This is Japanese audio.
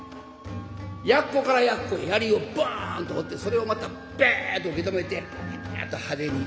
やっこからやっこへ槍をバーンと放ってそれをまたバーンと受け止めてパアッと派手に。